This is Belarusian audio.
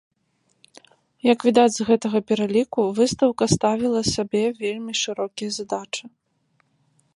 Як відаць з гэтага пераліку, выстаўка ставіла сабе вельмі шырокія задачы.